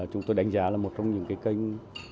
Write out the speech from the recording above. chúng tôi đánh giá là một trong những kênh